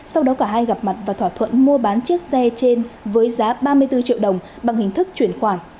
sau đó cả hai gặp mặt và thỏa thuận mua bán chiếc xe trên với giá ba mươi bốn triệu đồng bằng hình thức chuyển khoản